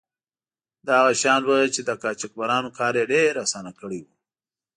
دا هغه شیان وو چې د قاچاقبرانو کار یې ډیر آسانه کړی و.